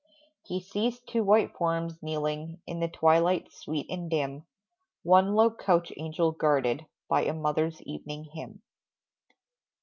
He sees two white forms kneeling In the twilight sweet and dim, One low couch angel guarded, By a mother's evening hymn.